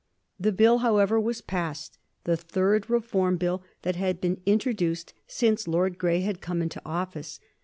The Bill, however, was passed, the third Reform Bill that had been introduced since Lord Grey had come into office.